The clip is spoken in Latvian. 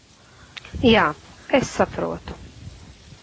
Jā, es saprotu.